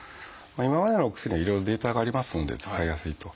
今までのお薬にはいろいろデータがありますので使いやすいと。